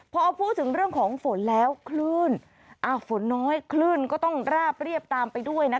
พอพูดถึงเรื่องของฝนแล้วคลื่นฝนน้อยคลื่นก็ต้องราบเรียบตามไปด้วยนะคะ